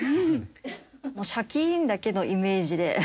シャキーンだけのイメージで。